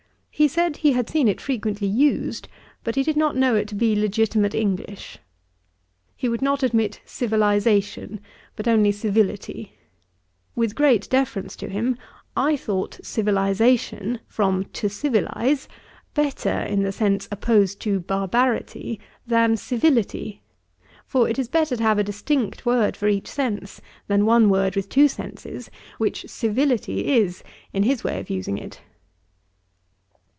He said, he had seen it frequently used, but he did not know it to be legitimate English. He would not admit civilization, but only civility. With great deference to him, I thought civilization, from to civilize better in the sense opposed to barbarity, than civility; as it is better to have a distinct word for each sense, than one word with two senses, which civility is, in his way of using it.